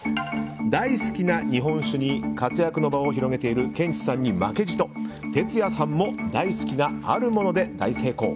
大好きな日本酒に活躍の場を広げているケンチさんに負けじとＴＥＴＳＵＹＡさんも大好きなあるもので大成功。